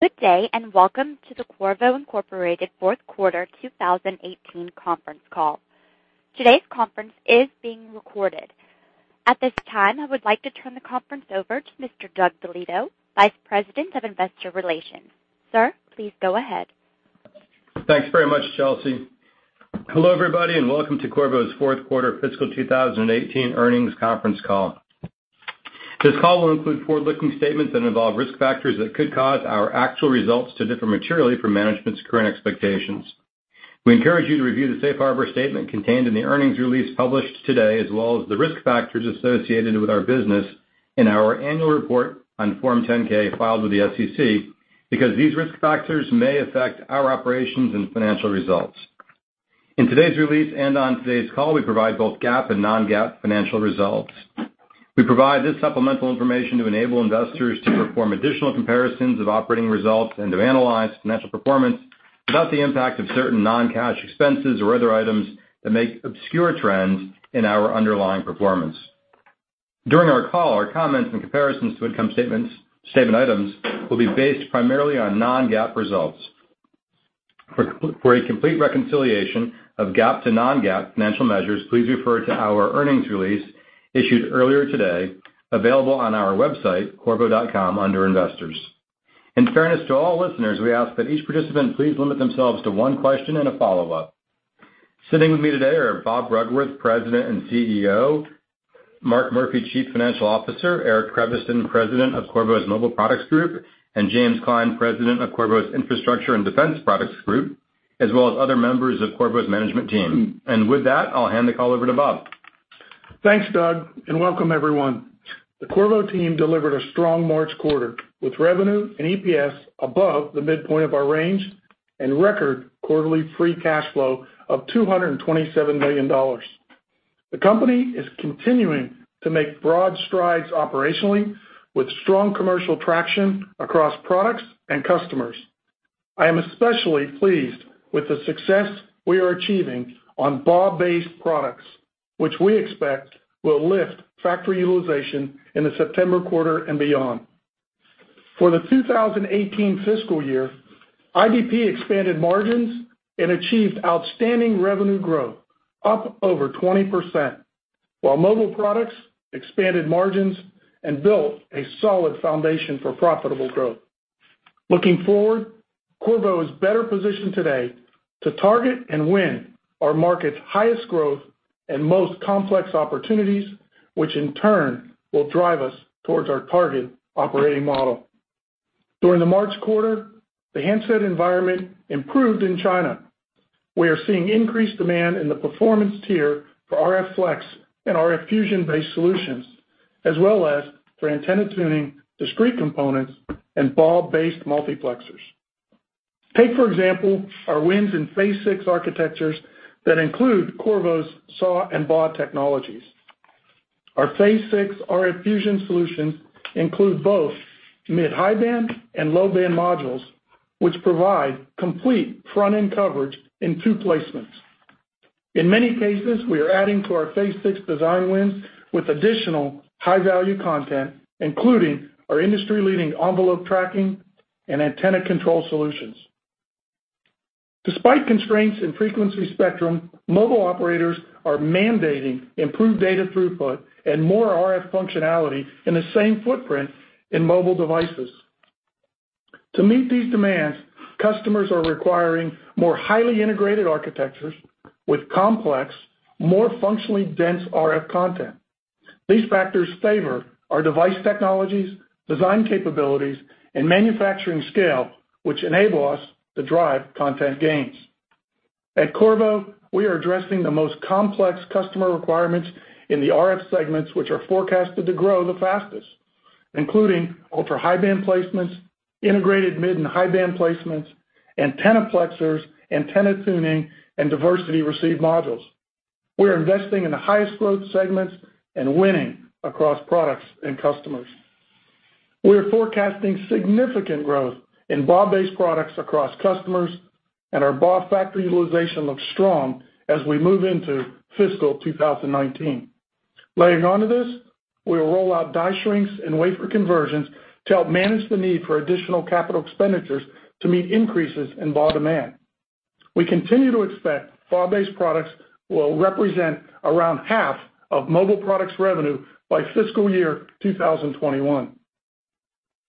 Good day, welcome to the Qorvo, Inc. fourth quarter 2018 conference call. Today's conference is being recorded. At this time, I would like to turn the conference over to Mr. Douglas DeLieto, Vice President of Investor Relations. Sir, please go ahead. Thanks very much, Chelsea. Hello, everybody, welcome to Qorvo's fourth quarter fiscal 2018 earnings conference call. This call will include forward-looking statements that involve risk factors that could cause our actual results to differ materially from management's current expectations. We encourage you to review the safe harbor statement contained in the earnings release published today, as well as the risk factors associated with our business in our annual report on Form 10-K filed with the SEC, because these risk factors may affect our operations and financial results. In today's release, on today's call, we provide both GAAP and non-GAAP financial results. We provide this supplemental information to enable investors to perform additional comparisons of operating results and to analyze financial performance without the impact of certain non-cash expenses or other items that may obscure trends in our underlying performance. During our call, our comments and comparisons to income statement items will be based primarily on non-GAAP results. For a complete reconciliation of GAAP to non-GAAP financial measures, please refer to our earnings release issued earlier today, available on our website, qorvo.com, under Investors. In fairness to all listeners, we ask that each participant please limit themselves to one question and a follow-up. Sitting with me today are Bob Bruggeworth, President and CEO; Mark Murphy, Chief Financial Officer; Eric Creviston, President of Qorvo's Mobile Products Group, James Klein, President of Qorvo's Infrastructure and Defense Products Group, as well as other members of Qorvo's management team. With that, I'll hand the call over to Bob. Thanks, Doug, welcome everyone. The Qorvo team delivered a strong March quarter, with revenue and EPS above the midpoint of our range record quarterly free cash flow of $227 million. The company is continuing to make broad strides operationally, with strong commercial traction across products and customers. I am especially pleased with the success we are achieving on BAW-based products, which we expect will lift factory utilization in the September quarter and beyond. For the 2018 fiscal year, IDP expanded margins achieved outstanding revenue growth up over 20%, while Mobile Products expanded margins and built a solid foundation for profitable growth. Looking forward, Qorvo is better positioned today to target and win our market's highest growth and most complex opportunities, which in turn will drive us towards our target operating model. During the March quarter, the handset environment improved in China. We are seeing increased demand in the performance tier for RF Flex and RF Fusion-based solutions, as well as for antenna tuning, discrete components, and BAW-based multiplexers. Take, for example, our wins in phase six architectures that include Qorvo's SAW and BAW technologies. Our phase six RF Fusion solutions include both mid/high-band and low-band modules, which provide complete front-end coverage in two placements. In many cases, we are adding to our phase six design wins with additional high-value content, including our industry-leading envelope tracking and antenna control solutions. Despite constraints in frequency spectrum, mobile operators are mandating improved data throughput and more RF functionality in the same footprint in mobile devices. To meet these demands, customers are requiring more highly integrated architectures with complex, more functionally dense RF content. These factors favor our device technologies, design capabilities, and manufacturing scale, which enable us to drive content gains. At Qorvo, we are addressing the most complex customer requirements in the RF segments which are forecasted to grow the fastest, including ultra-high-band placements, integrated mid and high-band placements, antennaplexers, antenna tuning, and diversity receive modules. We are investing in the highest growth segments and winning across products and customers. We are forecasting significant growth in BAW-based products across customers, and our BAW factory utilization looks strong as we move into fiscal year 2019. Layering onto this, we will roll out die shrinks and wafer conversions to help manage the need for additional capital expenditures to meet increases in BAW demand. We continue to expect BAW-based products will represent around half of Mobile Products revenue by fiscal year 2021.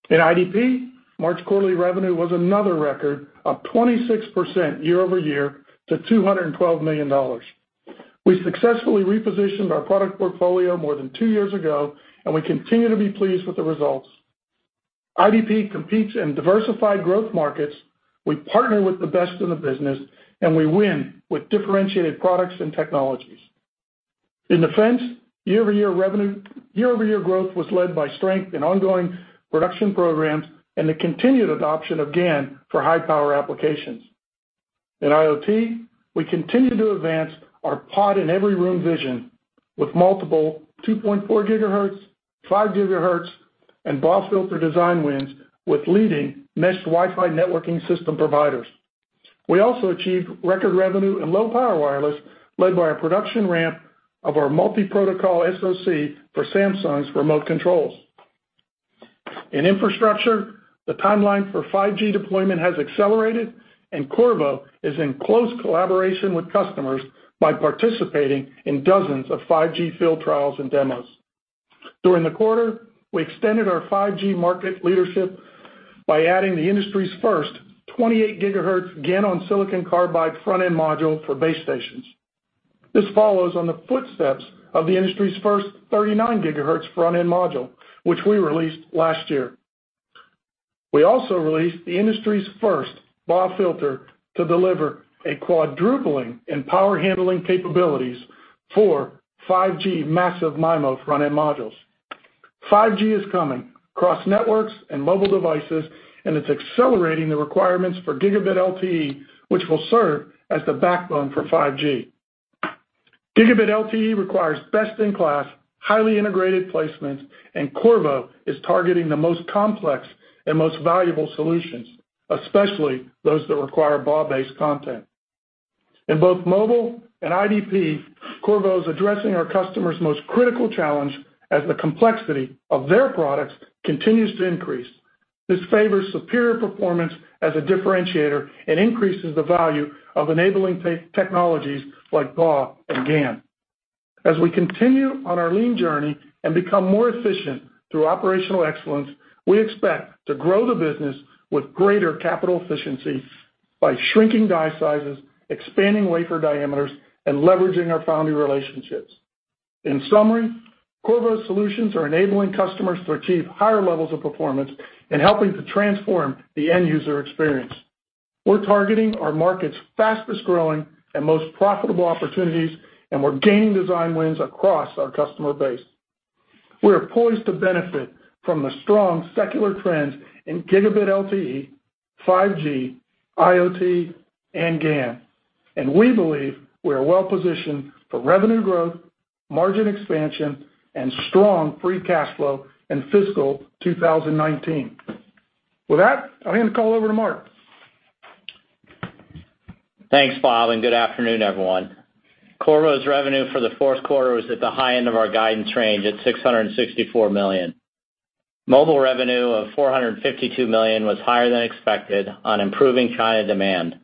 In IDP, March quarterly revenue was another record of 26% year-over-year to $212 million. We successfully repositioned our product portfolio more than two years ago. We continue to be pleased with the results. IDP competes in diversified growth markets. We partner with the best in the business. We win with differentiated products and technologies. In defense, year-over-year growth was led by strength in ongoing production programs and the continued adoption of GaN for high-power applications. In IoT, we continue to advance our pod in every room vision with multiple 2.4 gigahertz, 5 gigahertz, and BAW filter design wins with leading meshed Wi-Fi networking system providers. We also achieved record revenue in low-power wireless, led by a production ramp of our multi-protocol SoC for Samsung's remote controls. In infrastructure, the timeline for 5G deployment has accelerated. Qorvo is in close collaboration with customers by participating in dozens of 5G field trials and demos. During the quarter, we extended our 5G market leadership by adding the industry's first 28 gigahertz GaN on silicon carbide front-end module for base stations. This follows on the footsteps of the industry's first 39 gigahertz front-end module, which we released last year. We also released the industry's first BAW filter to deliver a quadrupling in power handling capabilities for 5G massive MIMO front-end modules. 5G is coming across networks and mobile devices. It's accelerating the requirements for Gigabit LTE, which will serve as the backbone for 5G. Gigabit LTE requires best-in-class, highly integrated placements. Qorvo is targeting the most complex and most valuable solutions, especially those that require BAW-based content. In both mobile and IDP, Qorvo is addressing our customers' most critical challenge as the complexity of their products continues to increase. This favors superior performance as a differentiator and increases the value of enabling technologies like BAW and GaN. As we continue on our lean journey and become more efficient through operational excellence, we expect to grow the business with greater capital efficiency by shrinking die sizes, expanding wafer diameters, and leveraging our foundry relationships. In summary, Qorvo solutions are enabling customers to achieve higher levels of performance and helping to transform the end-user experience. We're targeting our market's fastest-growing and most profitable opportunities, and we're gaining design wins across our customer base. We are poised to benefit from the strong secular trends in Gigabit LTE, 5G, IoT, and GaN, and we believe we are well positioned for revenue growth, margin expansion, and strong free cash flow in fiscal 2019. With that, I'll hand the call over to Mark. Thanks, Bob, and good afternoon, everyone. Qorvo's revenue for the fourth quarter was at the high end of our guidance range at $664 million. Mobile revenue of $452 million was higher than expected on improving China demand.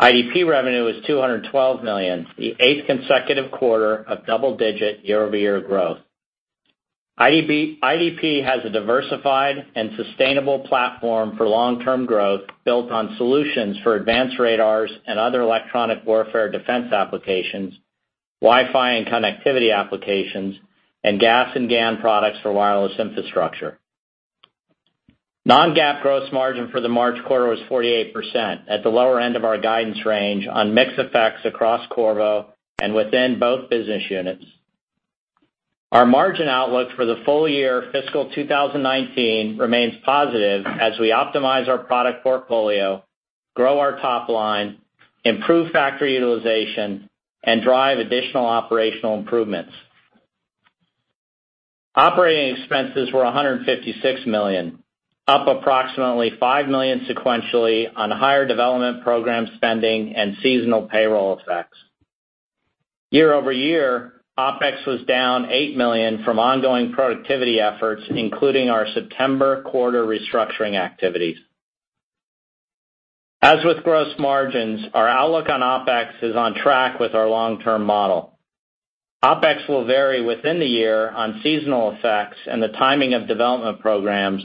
IDP revenue was $212 million, the eighth consecutive quarter of double-digit year-over-year growth. IDP has a diversified and sustainable platform for long-term growth built on solutions for advanced radars and other electronic warfare defense applications, Wi-Fi and connectivity applications, and GaAs and GaN products for wireless infrastructure. Non-GAAP gross margin for the March quarter was 48%, at the lower end of our guidance range on mix effects across Qorvo and within both business units. Our margin outlook for the full year fiscal 2019 remains positive as we optimize our product portfolio, grow our top line, improve factory utilization, and drive additional operational improvements. Operating expenses were $156 million, up approximately $5 million sequentially on higher development program spending and seasonal payroll effects. Year-over-year, OpEx was down $8 million from ongoing productivity efforts, including our September quarter restructuring activities. As with gross margins, our outlook on OpEx is on track with our long-term model. OpEx will vary within the year on seasonal effects and the timing of development programs,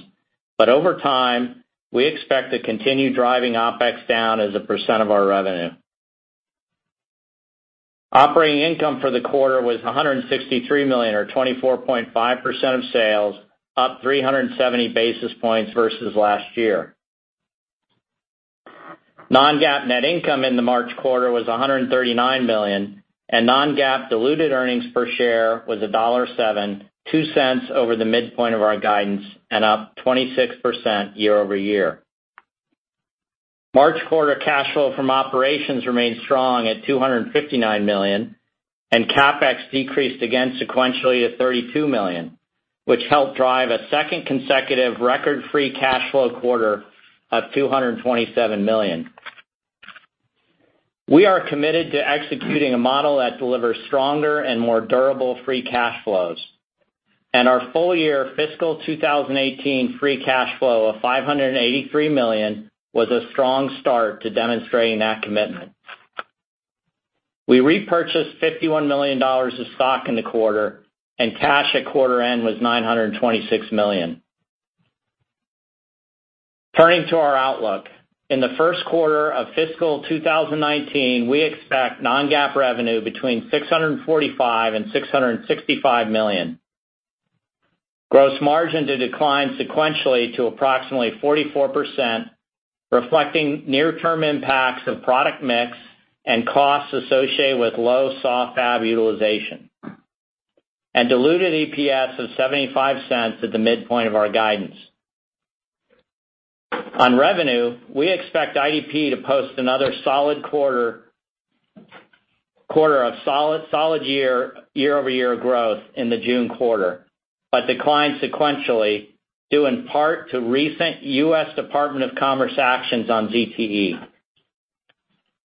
but over time, we expect to continue driving OpEx down as a percent of our revenue. Operating income for the quarter was $163 million, or 24.5% of sales, up 370 basis points versus last year. Non-GAAP net income in the March quarter was $139 million, and non-GAAP diluted earnings per share was $1.07, $0.02 over the midpoint of our guidance and up 26% year-over-year. March quarter cash flow from operations remained strong at $259 million, and CapEx decreased again sequentially to $32 million, which helped drive a second consecutive record free cash flow quarter of $227 million. We are committed to executing a model that delivers stronger and more durable free cash flows. Our full year fiscal 2018 free cash flow of $583 million was a strong start to demonstrating that commitment. We repurchased $51 million of stock in the quarter, and cash at quarter end was $926 million. Turning to our outlook. In the first quarter of fiscal 2019, we expect non-GAAP revenue between $645 million and $665 million. Gross margin to decline sequentially to approximately 44%, reflecting near-term impacts of product mix and costs associated with low SAW fab utilization. Diluted EPS of $0.75 at the midpoint of our guidance. On revenue, we expect IDP to post another solid quarter of solid year-over-year growth in the June quarter, but declined sequentially due in part to recent U.S. Department of Commerce actions on ZTE.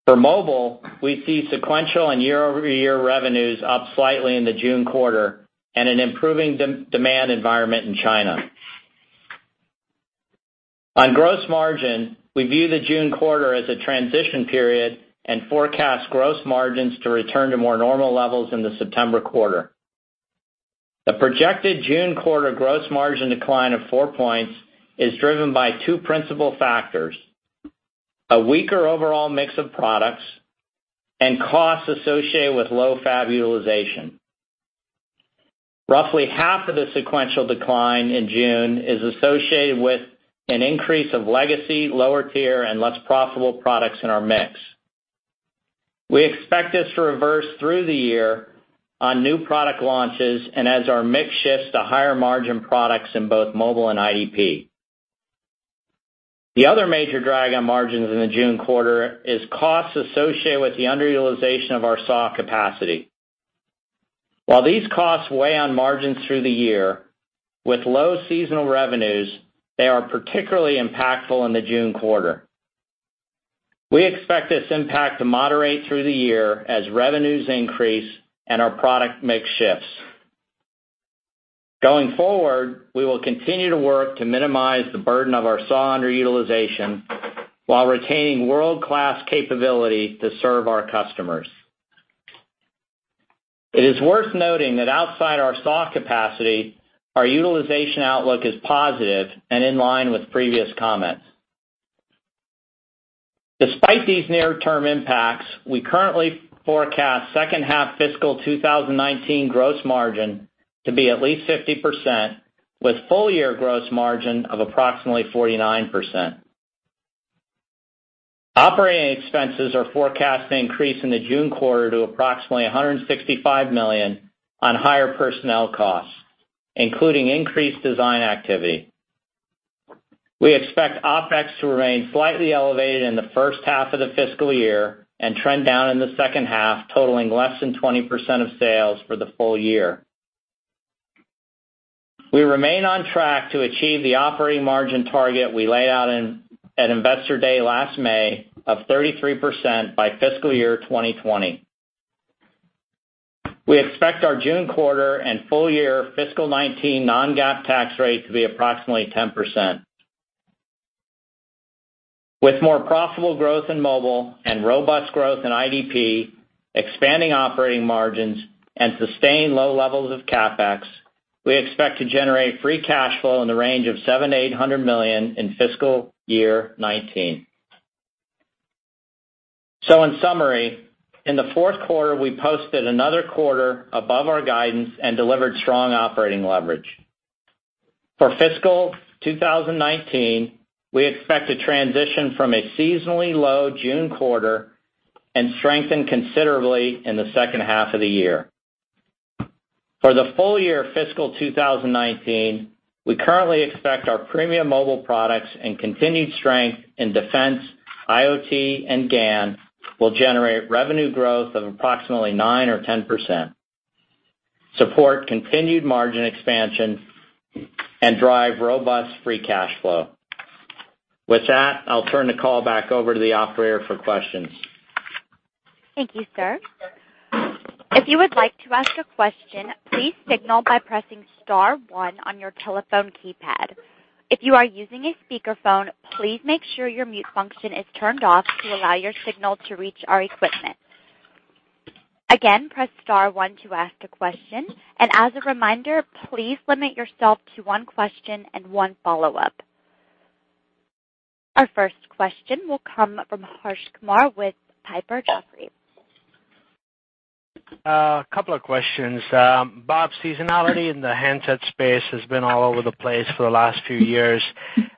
For Mobile, we see sequential and year-over-year revenues up slightly in the June quarter and an improving demand environment in China. On gross margin, we view the June quarter as a transition period and forecast gross margins to return to more normal levels in the September quarter. The projected June quarter gross margin decline of four points is driven by two principal factors, a weaker overall mix of products and costs associated with low fab utilization. Roughly half of the sequential decline in June is associated with an increase of legacy, lower tier, and less profitable products in our mix. We expect this to reverse through the year on new product launches and as our mix shifts to higher margin products in both Mobile and IDP. The other major drag on margins in the June quarter is costs associated with the underutilization of our SAW capacity. While these costs weigh on margins through the year, with low seasonal revenues, they are particularly impactful in the June quarter. We expect this impact to moderate through the year as revenues increase and our product mix shifts. Going forward, we will continue to work to minimize the burden of our SAW underutilization while retaining world-class capability to serve our customers. It is worth noting that outside our SAW capacity, our utilization outlook is positive and in line with previous comments. Despite these near-term impacts, we currently forecast second half fiscal 2019 gross margin to be at least 50%, with full-year gross margin of approximately 49%. Operating expenses are forecast to increase in the June quarter to approximately $165 million on higher personnel costs, including increased design activity. We expect OpEx to remain slightly elevated in the first half of the fiscal year and trend down in the second half, totaling less than 20% of sales for the full year. We remain on track to achieve the operating margin target we laid out at Investor Day last May of 33% by fiscal year 2020. We expect our June quarter and full-year fiscal 2019 non-GAAP tax rate to be approximately 10%. With more profitable growth in Mobile and robust growth in IDP, expanding operating margins, and sustained low levels of CapEx, we expect to generate free cash flow in the range of $700 million-$800 million in fiscal year 2019. In summary, in the fourth quarter, we posted another quarter above our guidance and delivered strong operating leverage. For fiscal 2019, we expect to transition from a seasonally low June quarter and strengthen considerably in the second half of the year. For the full year fiscal 2019, we currently expect our premium Mobile products and continued strength in defense, IoT, and GaN will generate revenue growth of approximately 9% or 10%, support continued margin expansion, and drive robust free cash flow. With that, I'll turn the call back over to the operator for questions. Thank you, sir. If you would like to ask a question, please signal by pressing star one on your telephone keypad. If you are using a speakerphone, please make sure your mute function is turned off to allow your signal to reach our equipment. Again, press star one to ask a question, and as a reminder, please limit yourself to one question and one follow-up. Our first question will come from Harsh Kumar with Piper Jaffray. A couple of questions. Bob, seasonality in the handset space has been all over the place for the last few years.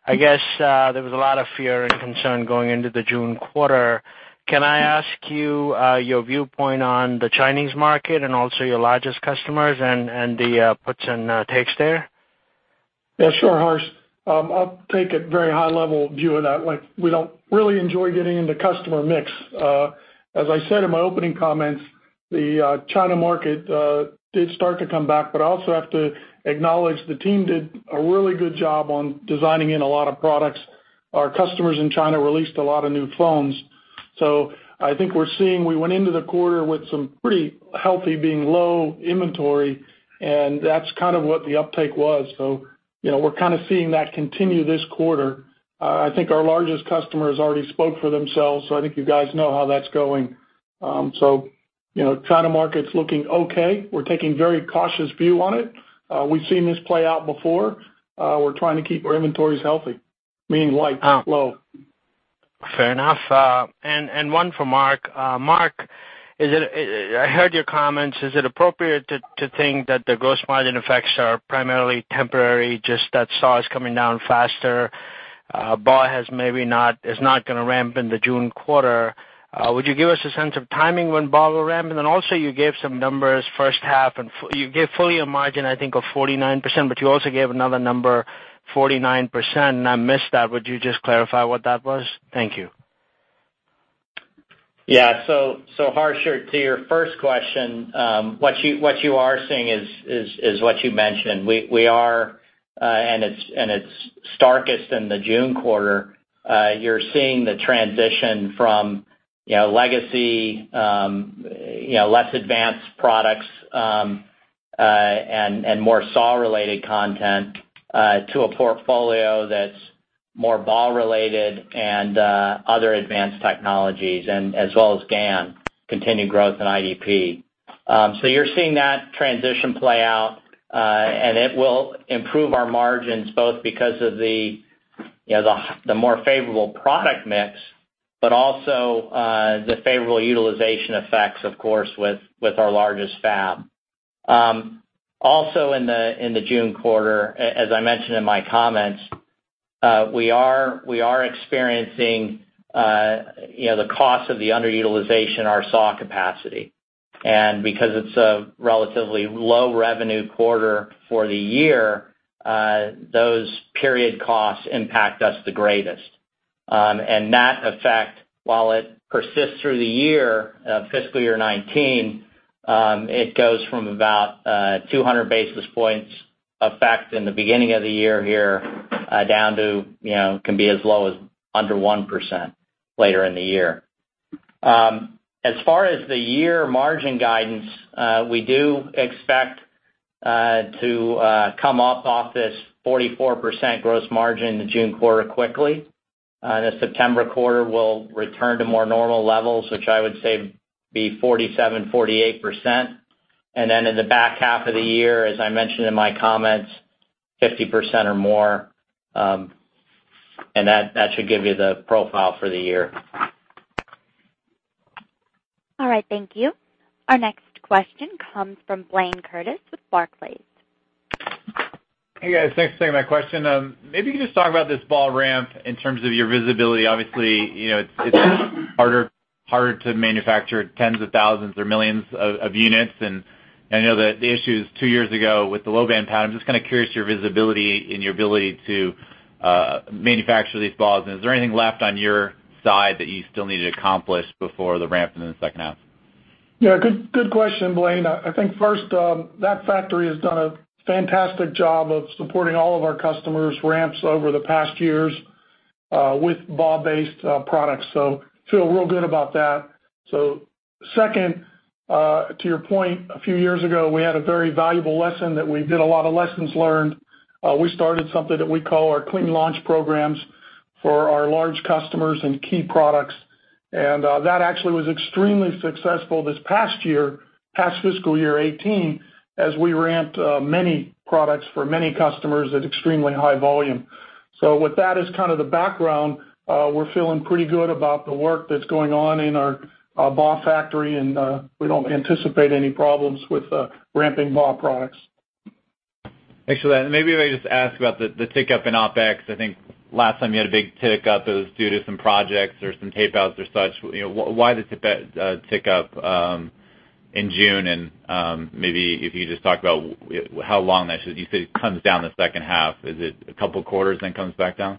I guess there was a lot of fear and concern going into the June quarter. Can I ask you your viewpoint on the Chinese market and also your largest customers and the puts and takes there? Yeah, sure, Harsh. I'll take a very high-level view of that. We don't really enjoy getting into customer mix. As I said in my opening comments, the China market did start to come back, I also have to acknowledge the team did a really good job on designing in a lot of products. Our customers in China released a lot of new phones. I think we went into the quarter with some pretty healthy being low inventory, and that's kind of what the uptake was. We're kind of seeing that continue this quarter. I think our largest customers already spoke for themselves, so I think you guys know how that's going. China market's looking okay. We're taking very cautious view on it. We've seen this play out before. We're trying to keep our inventories healthy, meaning light, low. Fair enough. One for Mark. Mark, I heard your comments. Is it appropriate to think that the gross margin effects are primarily temporary, just that SAW is coming down faster? BAW is not going to ramp in the June quarter. Would you give us a sense of timing when BAW will ramp? Also you gave some numbers first half, and you gave full-year margin, I think, of 49%, but you also gave another number, 49%, and I missed that. Would you just clarify what that was? Thank you. Yeah. Harsh, to your first question, what you are seeing is what you mentioned. We are, and it's starkest in the June quarter, you're seeing the transition from legacy, less advanced products, and more SAW-related content, to a portfolio that's more BAW-related and other advanced technologies, as well as GaN, continued growth in IDP. You're seeing that transition play out. It will improve our margins both because of the more favorable product mix, but also, the favorable utilization effects, of course, with our largest fab. Also in the June quarter, as I mentioned in my comments, we are experiencing the cost of the underutilization of our SAW capacity. Because it's a relatively low revenue quarter for the year, those period costs impact us the greatest. That effect, while it persists through the year, fiscal year 2019, it goes from about 200 basis points effect in the beginning of the year here, down to can be as low as under 1% later in the year. As far as the year margin guidance, we do expect to come up off this 44% gross margin in the June quarter quickly. The September quarter will return to more normal levels, which I would say would be 47%, 48%. In the back half of the year, as I mentioned in my comments, 50% or more. That should give you the profile for the year. All right. Thank you. Our next question comes from Blayne Curtis with Barclays. Hey, guys. Thanks for taking my question. Maybe you can just talk about this BAW ramp in terms of your visibility. Obviously, it's harder to manufacture tens of thousands or millions of units. I know that the issues two years ago with the low-band power, I'm just kind of curious your visibility and your ability to manufacture these BAWs. Is there anything left on your side that you still need to accomplish before the ramp in the second half? Yeah. Good question, Blayne. I think first, that factory has done a fantastic job of supporting all of our customers' ramps over the past years, with BAW-based products, so feel real good about that. Second, to your point, a few years ago, we had a very valuable lesson that we did a lot of lessons learned. We started something that we call our Clean Launch programs for our large customers and key products. That actually was extremely successful this past year, past fiscal year 2018, as we ramped many products for many customers at extremely high volume. With that as kind of the background, we're feeling pretty good about the work that's going on in our BAW factory, and we don't anticipate any problems with ramping BAW products. Thanks for that. Maybe if I just ask about the tick up in OpEx. I think last time you had a big tick up, it was due to some projects or some tape outs or such. Why the tick up in June? Maybe if you could just talk about how long that should, you said it comes down the second half. Is it a couple of quarters, then comes back down?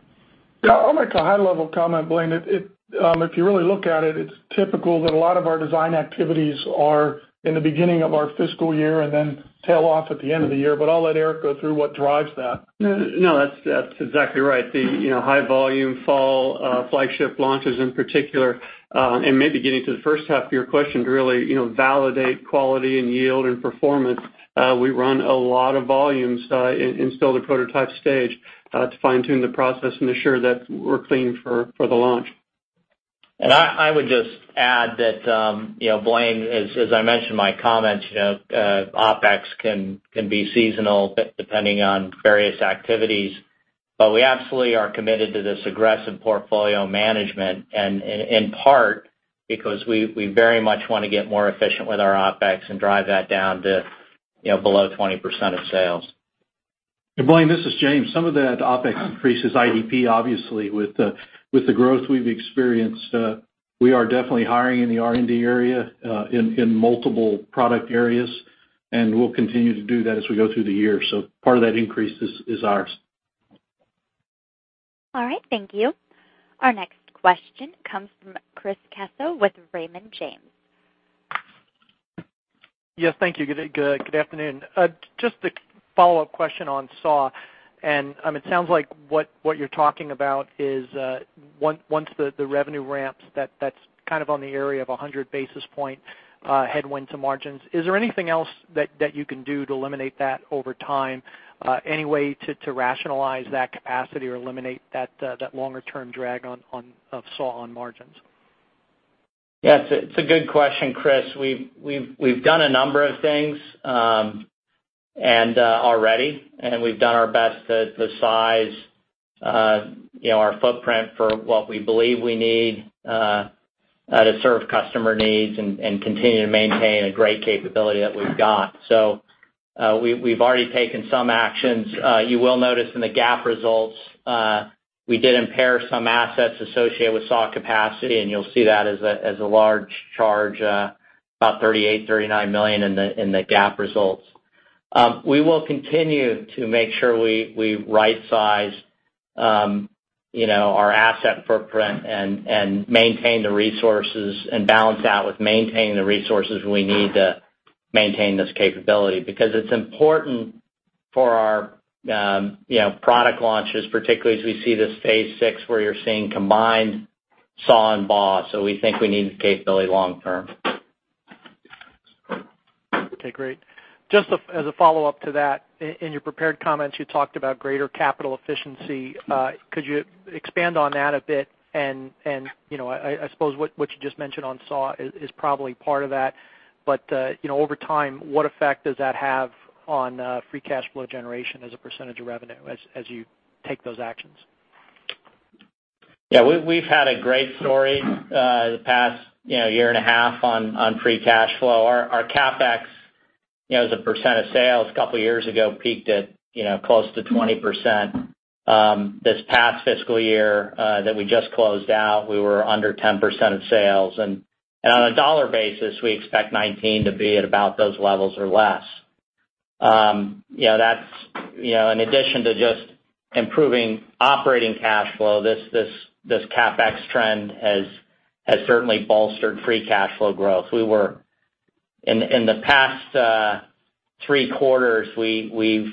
Yeah. I'll make a high-level comment, Blayne. If you really look at it's typical that a lot of our design activities are in the beginning of our fiscal year and then tail off at the end of the year, but I'll let Eric go through what drives that. No, that's exactly right. The high-volume fall flagship launches in particular, and maybe getting to the first half of your question, to really validate quality and yield and performance, we run a lot of volume and still at the prototype stage, to fine-tune the process and ensure that we're clean for the launch. I would just add that, Blayne, as I mentioned in my comments, OpEx can be seasonal depending on various activities. We absolutely are committed to this aggressive portfolio management, and in part because we very much want to get more efficient with our OpEx and drive that down to below 20% of sales. Blayne, this is James. Some of that OpEx increase is IDP, obviously, with the growth we've experienced. We are definitely hiring in the R&D area, in multiple product areas, and we'll continue to do that as we go through the year. Part of that increase is ours. All right. Thank you. Our next question comes from Chris Caso with Raymond James. Yes, thank you. Good afternoon. Just a follow-up question on SAW. It sounds like what you're talking about is once the revenue ramps, that's kind of on the area of 100 basis point, headwind to margins. Is there anything else that you can do to eliminate that over time? Any way to rationalize that capacity or eliminate that longer-term drag of SAW on margins? Yes. It's a good question, Chris. We've done a number of things already, and we've done our best to size our footprint for what we believe we need to serve customer needs and continue to maintain a great capability that we've got. We've already taken some actions. You will notice in the GAAP results, we did impair some assets associated with SAW capacity, and you'll see that as a large charge, about $38 million, $39 million in the GAAP results. We will continue to make sure we right-size our asset footprint and maintain the resources and balance that with maintaining the resources we need to maintain this capability, because it's important for our product launches, particularly as we see this phase six where you're seeing combined SAW and BAW. We think we need the capability long term. Okay, great. Just as a follow-up to that, in your prepared comments you talked about greater capital efficiency. Could you expand on that a bit? I suppose what you just mentioned on SAW is probably part of that, but over time, what effect does that have on free cash flow generation as a percentage of revenue as you take those actions? Yeah. We've had a great story the past year and a half on free cash flow. Our CapEx, as a % of sales, a couple of years ago peaked at close to 20%. This past fiscal year that we just closed out, we were under 10% of sales. On a dollar basis, we expect 2019 to be at about those levels or less. In addition to just improving operating cash flow, this CapEx trend has certainly bolstered free cash flow growth. In the past three quarters, we've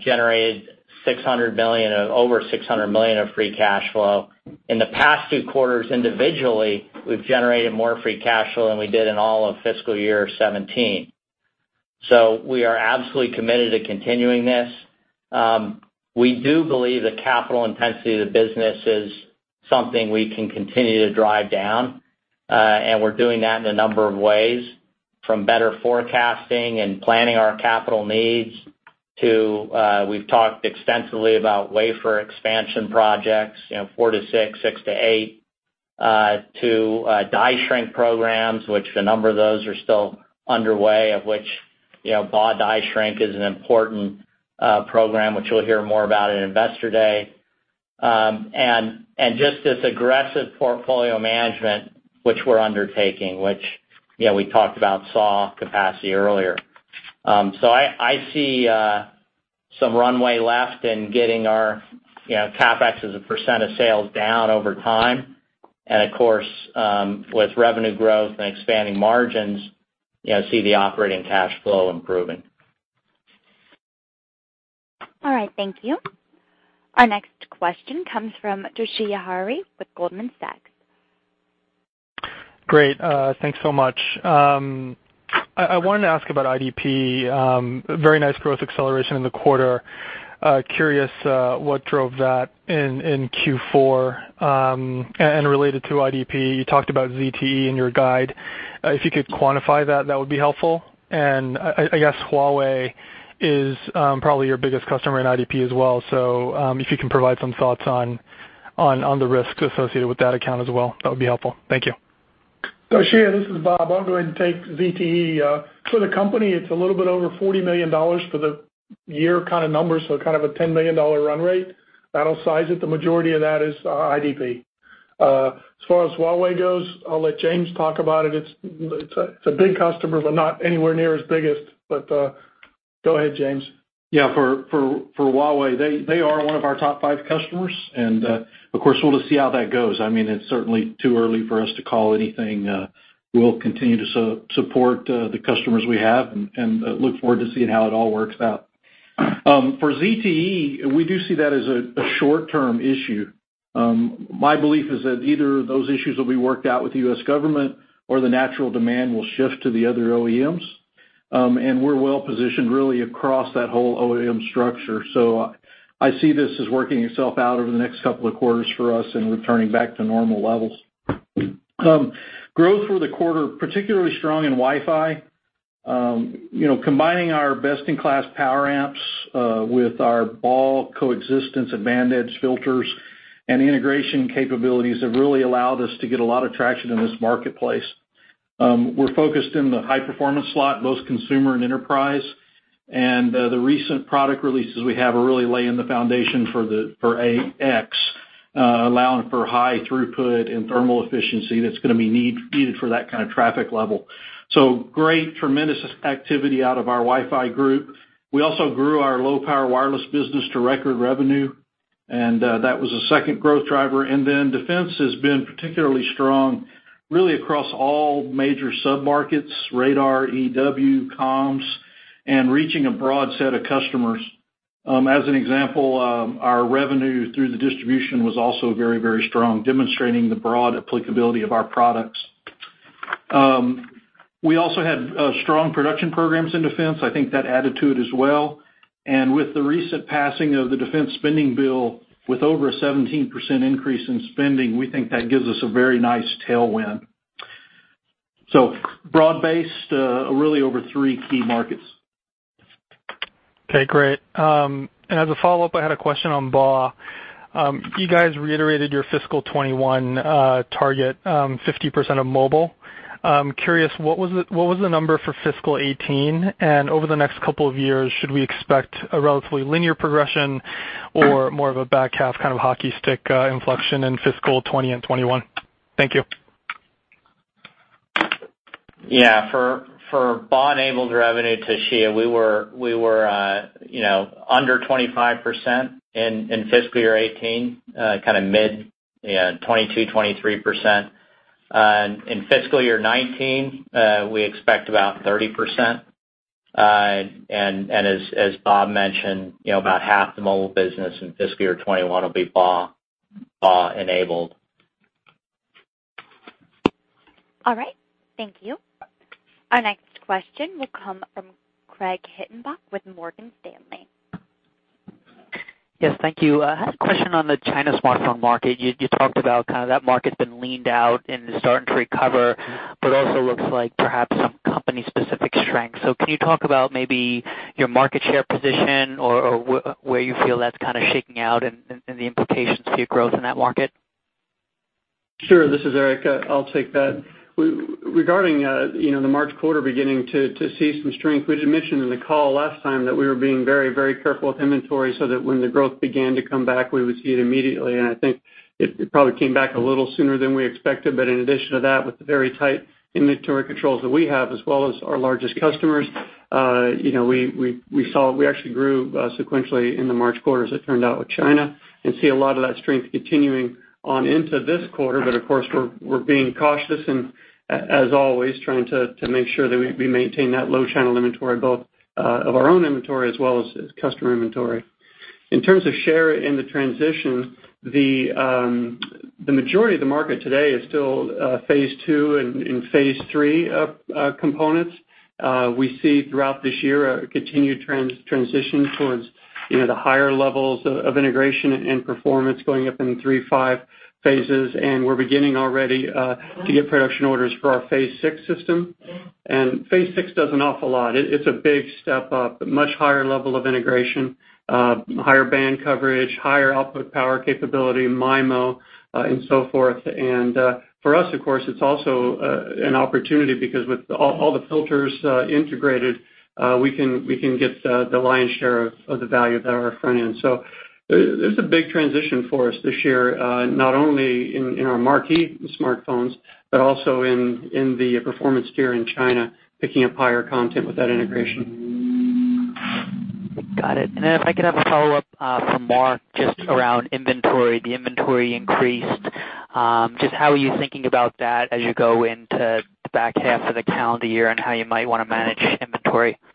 generated over $600 million of free cash flow. In the past two quarters individually, we've generated more free cash flow than we did in all of fiscal year 2017. We are absolutely committed to continuing this. We do believe the capital intensity of the business is something we can continue to drive down. We're doing that in a number of ways, from better forecasting and planning our capital needs to, we've talked extensively about wafer expansion projects, four to six to eight, to die shrink programs, which a number of those are still underway, of which BAW die shrink is an important program which we'll hear more about at Investor Day. Just this aggressive portfolio management which we're undertaking, which we talked about SAW capacity earlier. I see some runway left in getting our CapEx as a % of sales down over time. Of course, with revenue growth and expanding margins, see the operating cash flow improving. All right. Thank you. Our next question comes from Toshiya Hari with Goldman Sachs. Great. Thanks so much. I wanted to ask about IDP. Very nice growth acceleration in the quarter. Curious what drove that in Q4. Related to IDP, you talked about ZTE in your guide. If you could quantify that would be helpful. I guess Huawei is probably your biggest customer in IDP as well, so if you can provide some thoughts on the risks associated with that account as well, that would be helpful. Thank you. Toshiya, this is Bob. I'll go ahead and take ZTE. For the company, it's a little bit over $40 million for the year kind of number, so kind of a $10 million run rate. That'll size it. The majority of that is IDP. As far as Huawei goes, I'll let James talk about it. It's a big customer, but not anywhere near as big as. Go ahead, James. Yeah. For Huawei, they are one of our top five customers, and of course, we'll just see how that goes. It's certainly too early for us to call anything. We'll continue to support the customers we have and look forward to seeing how it all works out. For ZTE, we do see that as a short-term issue. My belief is that either those issues will be worked out with the U.S. government or the natural demand will shift to the other OEMs. We're well-positioned really across that whole OEM structure. I see this as working itself out over the next couple of quarters for us and returning back to normal levels. Growth for the quarter, particularly strong in Wi-Fi. Combining our best-in-class power amps with our BAW coexistence advantage filters and integration capabilities have really allowed us to get a lot of traction in this marketplace. We're focused in the high-performance slot, both consumer and enterprise. The recent product releases we have are really laying the foundation for 802.11ax, allowing for high throughput and thermal efficiency that's going to be needed for that kind of traffic level. Great, tremendous activity out of our Wi-Fi group. We also grew our low-power wireless business to record revenue, that was a second growth driver. Defense has been particularly strong really across all major sub-markets, radar, EW, comms, and reaching a broad set of customers. As an example, our revenue through the distribution was also very strong, demonstrating the broad applicability of our products. We also had strong production programs in defense. I think that added to it as well. With the recent passing of the defense spending bill with over a 17% increase in spending, we think that gives us a very nice tailwind. Broad-based really over three key markets. Okay, great. As a follow-up, I had a question on BAW. You guys reiterated your fiscal 2021 target, 50% of mobile. Curious, what was the number for fiscal 2018, and over the next couple of years, should we expect a relatively linear progression or more of a back half kind of hockey stick inflection in fiscal 2020 and 2021? Thank you. Yeah. For BAW-enabled revenue to China, we were under 25% in fiscal year 2018, kind of mid 22%, 23%. In fiscal year 2019, we expect about 30%. As Bob mentioned, about half the mobile business in fiscal year 2021 will be BAW-enabled. All right. Thank you. Our next question will come from Craig Hettenbach with Morgan Stanley. Yes, thank you. I had a question on the China smartphone market. You talked about kind of that market's been leaned out and is starting to recover. Also looks like perhaps some company specific strength. Can you talk about maybe your market share position or where you feel that's kind of shaking out and the implications to your growth in that market? Sure. This is Eric. I'll take that. Regarding the March quarter beginning to see some strength, we did mention in the call last time that we were being very careful with inventory so that when the growth began to come back, we would see it immediately. I think it probably came back a little sooner than we expected. In addition to that, with the very tight inventory controls that we have as well as our largest customers, we actually grew sequentially in the March quarter, as it turned out, with China. See a lot of that strength continuing on into this quarter. Of course, we're being cautious and as always, trying to make sure that we maintain that low channel inventory, both of our own inventory as well as customer inventory. In terms of share in the transition, the majority of the market today is still phase two and phase three components. We see throughout this year a continued transition towards the higher levels of integration and performance going up into three, five phases, and we're beginning already to get production orders for our phase six system. Phase six does an awful lot. It's a big step up, a much higher level of integration, higher band coverage, higher output power capability, MIMO. So forth. For us, of course, it's also an opportunity because with all the filters integrated, we can get the lion's share of the value at our front end. There's a big transition for us this year, not only in our marquee smartphones, but also in the performance tier in China, picking up higher content with that integration. Got it. If I could have a follow-up from Mark just around inventory, the inventory increased. Just how are you thinking about that as you go into the back half of the calendar year and how you might want to manage inventory? Yeah.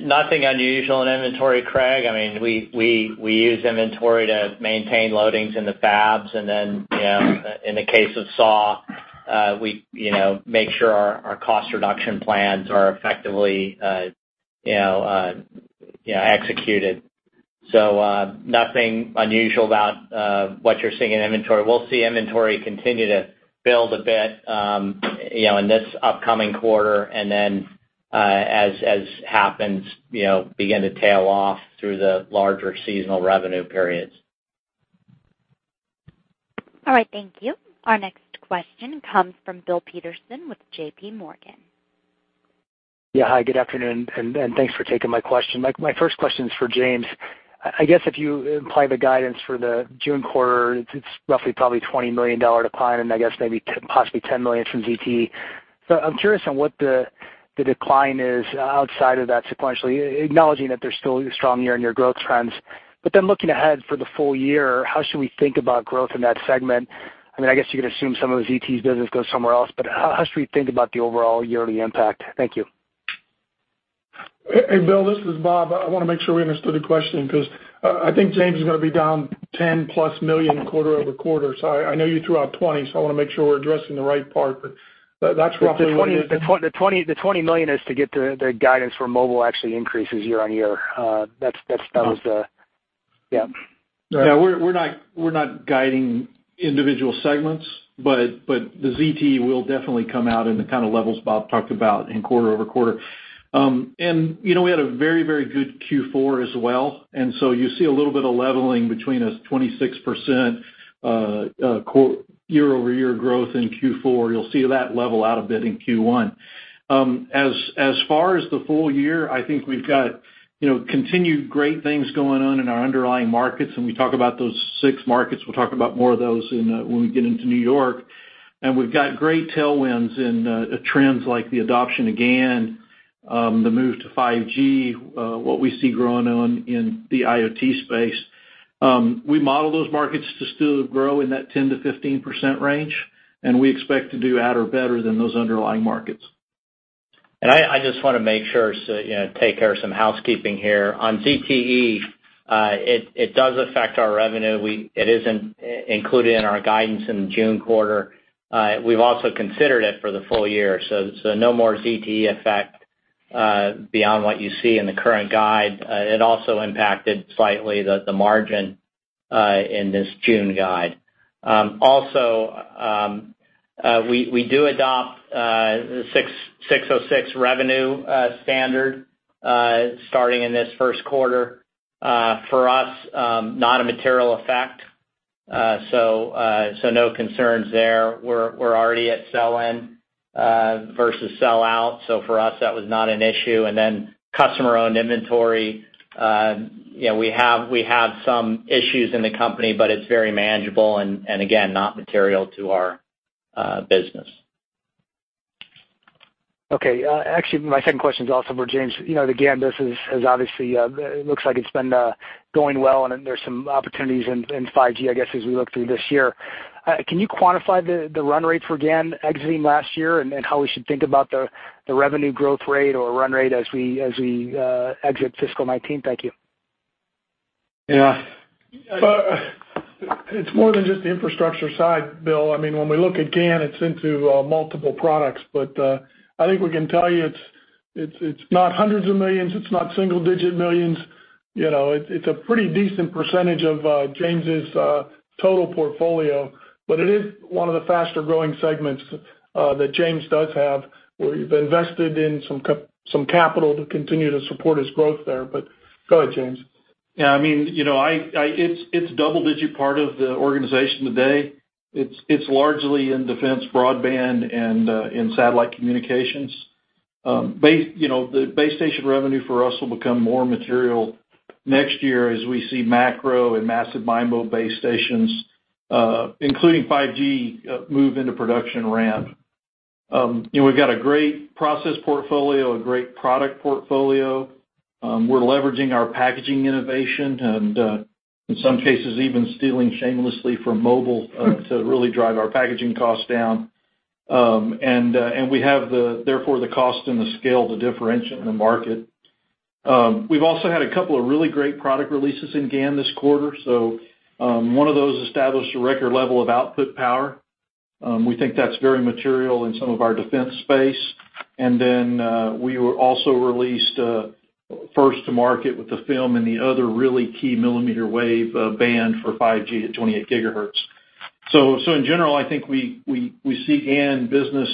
Nothing unusual in inventory, Craig. We use inventory to maintain loadings in the fabs, and then in the case of SAW, we make sure our cost reduction plans are effectively executed. Nothing unusual about what you're seeing in inventory. We'll see inventory continue to build a bit in this upcoming quarter, and then, as happens, begin to tail off through the larger seasonal revenue periods. All right, thank you. Our next question comes from Bill Peterson with J.P. Morgan. Yeah. Hi, good afternoon, and thanks for taking my question. My first question is for James. I guess if you imply the guidance for the June quarter, it's roughly probably a $20 million decline, and I guess maybe possibly $10 million from ZTE. I'm curious on what the decline is outside of that sequentially, acknowledging that there's still strong year-on-year growth trends, but then looking ahead for the full year, how should we think about growth in that segment? I guess you could assume some of the ZTE's business goes somewhere else, how should we think about the overall yearly impact? Thank you. Hey, Bill, this is Bob. I want to make sure we understood the question because I think James is going to be down $10+ million quarter-over-quarter. I know you threw out $20 million, I want to make sure we're addressing the right part, that's roughly what it is. The $20 million is to get to the guidance for Mobile Products actually increases year-over-year. Yeah. Yeah, we're not guiding individual segments, the ZTE will definitely come out in the kind of levels Bob talked about in quarter-over-quarter. We had a very good Q4 as well, you see a little bit of leveling between a 26% year-over-year growth in Q4. You'll see that level out a bit in Q1. As far as the full year, I think we've got continued great things going on in our underlying markets, we talk about those six markets. We'll talk about more of those when we get into New York. We've got great tailwinds in trends like the adoption of GaN, the move to 5G, what we see growing on in the IoT space. We model those markets to still grow in that 10%-15% range, and we expect to do at or better than those underlying markets. I just want to make sure, take care of some housekeeping here. On ZTE, it does affect our revenue. It isn't included in our guidance in the June quarter. We've also considered it for the full year, no more ZTE effect beyond what you see in the current guide. It also impacted slightly the margin in this June guide. We do adopt the ASC 606 revenue standard starting in this first quarter. For us, not a material effect, no concerns there. We're already at sell-in Versus sell out, for us, that was not an issue. Customer-owned inventory, we have some issues in the company, it's very manageable and again, not material to our business. Okay. Actually, my second question is also for James. The GaN business obviously looks like it's been going well, there's some opportunities in 5G, I guess, as we look through this year. Can you quantify the run rate for GaN exiting last year and how we should think about the revenue growth rate or run rate as we exit fiscal 2019? Thank you. Yeah. It's more than just the infrastructure side, Bill. When we look at GaN, it's into multiple products. I think we can tell you, it's not $hundreds of millions. It's not $single-digit millions. It's a pretty decent percentage of James' total portfolio, it is one of the faster-growing segments that James does have, where we've invested in some capital to continue to support his growth there. Go ahead, James. Yeah, it's double-digit part of the organization today. It's largely in defense broadband and in satellite communications. The base station revenue for us will become more material next year as we see macro and massive MIMO base stations, including 5G, move into production ramp. We've got a great process portfolio, a great product portfolio. We're leveraging our packaging innovation, in some cases, even stealing shamelessly from Mobile to really drive our packaging cost down. We have, therefore, the cost and the scale to differentiate in the market. We've also had a couple of really great product releases in GaN this quarter. One of those established a record level of output power. We think that's very material in some of our defense space. We also released first to market with the FEM and the other really key millimeter wave band for 5G at 28 gigahertz. In general, I think we see GaN business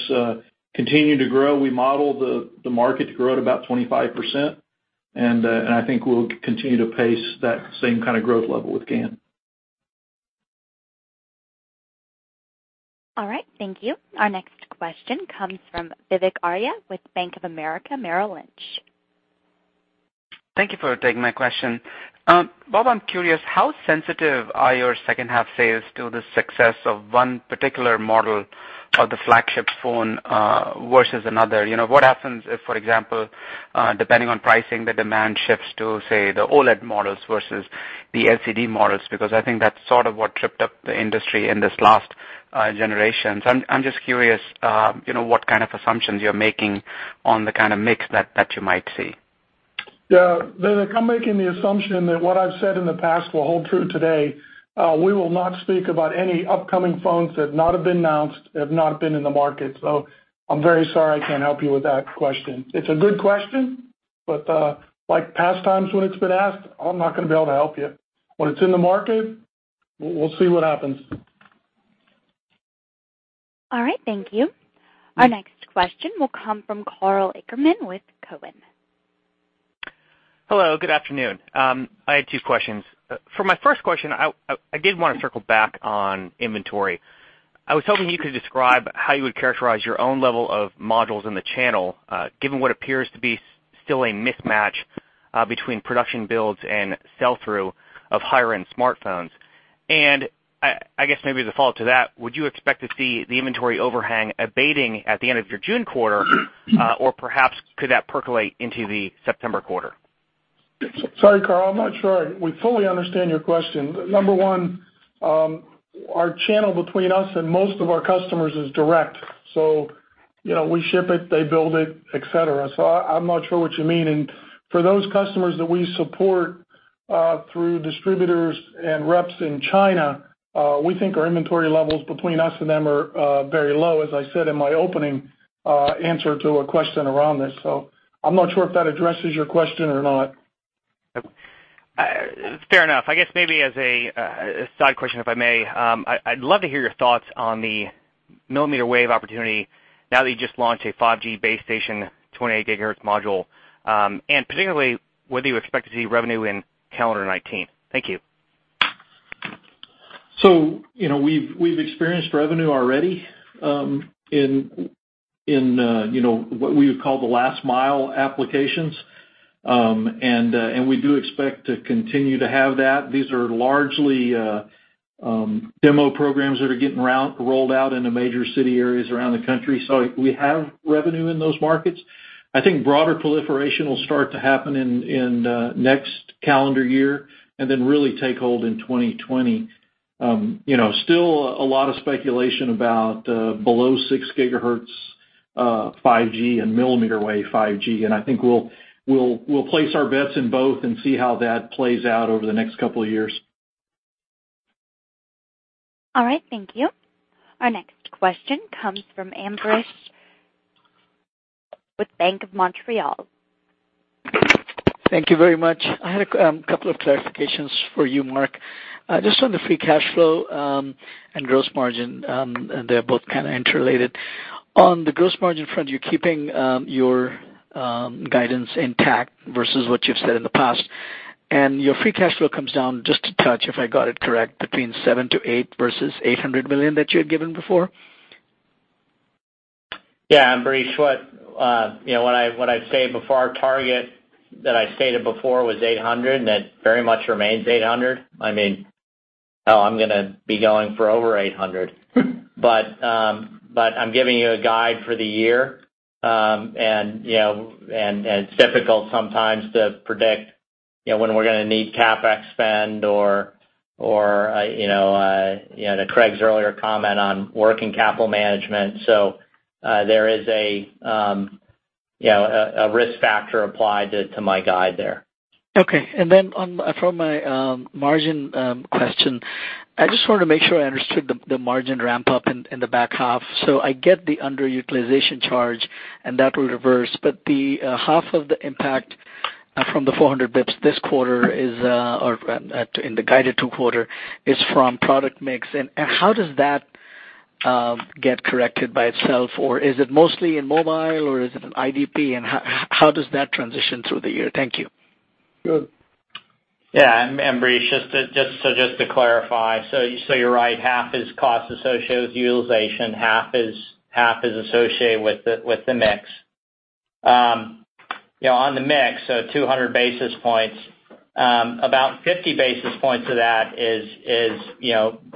continue to grow. We model the market to grow at about 25%, and I think we'll continue to pace that same kind of growth level with GaN. All right. Thank you. Our next question comes from Vivek Arya with Bank of America Merrill Lynch. Thank you for taking my question. Bob, I'm curious, how sensitive are your second half sales to the success of one particular model of the flagship phone versus another? What happens if, for example, depending on pricing, the demand shifts to, say, the OLED models versus the LCD models? I think that's sort of what tripped up the industry in this last generation. I'm just curious what kind of assumptions you're making on the kind of mix that you might see. Yeah. Vivek, I'm making the assumption that what I've said in the past will hold true today. We will not speak about any upcoming phones that have not been announced, have not been in the market. I'm very sorry I can't help you with that question. It's a good question, but like past times when it's been asked, I'm not going to be able to help you. When it's in the market, we'll see what happens. All right. Thank you. Our next question will come from Karl Ackerman with Cowen. Hello, good afternoon. I had two questions. For my first question, I did want to circle back on inventory. I was hoping you could describe how you would characterize your own level of modules in the channel, given what appears to be still a mismatch between production builds and sell-through of higher-end smartphones. I guess maybe as a follow-up to that, would you expect to see the inventory overhang abating at the end of your June quarter, or perhaps could that percolate into the September quarter? Sorry, Karl, I'm not sure We fully understand your question. Number one, our channel between us and most of our customers is direct, so we ship it, they build it, et cetera. I'm not sure what you mean. For those customers that we support through distributors and reps in China, we think our inventory levels between us and them are very low, as I said in my opening answer to a question around this. I'm not sure if that addresses your question or not. It's fair enough. I guess maybe as a side question, if I may, I'd love to hear your thoughts on the millimeter wave opportunity now that you just launched a 5G base station 28 GHz module, particularly whether you expect to see revenue in calendar 2019. Thank you. We've experienced revenue already in what we would call the last mile applications. We do expect to continue to have that. These are largely demo programs that are getting rolled out into major city areas around the country. We have revenue in those markets. I think broader proliferation will start to happen in next calendar year and then really take hold in 2020. Still a lot of speculation about below 6 GHz 5G and millimeter wave 5G, and I think we'll place our bets in both and see how that plays out over the next couple of years. All right. Thank you. Our next question comes from Ambrish with Bank of Montreal. Thank you very much. I had a couple of clarifications for you, Mark. Just on the free cash flow and gross margin, and they're both kind of interrelated. On the gross margin front, you're keeping your guidance intact versus what you've said in the past. Your free cash flow comes down just a touch, if I got it correct, between $700-$800 versus $800 million that you had given before. Yeah, Ambrish. What I'd say before our target that I stated before was 800, and that very much remains 800. I mean, hell, I'm going to be going for over 800. I'm giving you a guide for the year. It's difficult sometimes to predict when we're going to need CapEx spend or to Craig's earlier comment on working capital management. There is a risk factor applied to my guide there. Okay. From my margin question, I just wanted to make sure I understood the margin ramp-up in the back half. I get the underutilization charge, and that will reverse. The half of the impact from the 400 basis points this quarter or in the guided two quarter is from product mix. How does that get corrected by itself? Is it mostly in Mobile, or is it in IDP? How does that transition through the year? Thank you. Sure. Yeah, Ambrish, just to clarify, you're right, half is cost associated with utilization, half is associated with the mix. On the mix, 200 basis points, about 50 basis points of that is